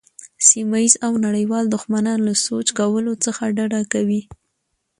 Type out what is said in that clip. سیمه ییز او نړیوال دښمنان له سوچ کولو څخه ډډه کوي.